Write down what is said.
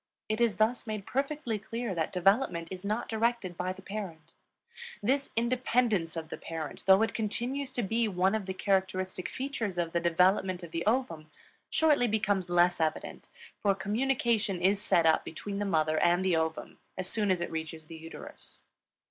It is thus made perfectly clear that development is not directed by the parent. This independence of the parent, though it continues to be one of the characteristic features of the development of the ovum, shortly becomes less evident, for communication is set up between the mother and the ovum as soon as it reaches the uterus.